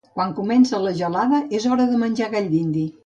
Quan comença la gelada, és hora de menjar gall d'indi.